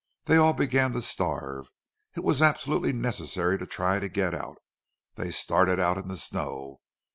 They all began to starve. It was absolutely necessary to try to get out. They started out in the snow.